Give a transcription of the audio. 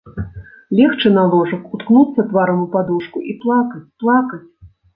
Легчы на ложак, уткнуцца тварам у падушку і плакаць, плакаць.